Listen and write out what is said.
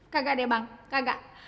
kagak deh bang kagak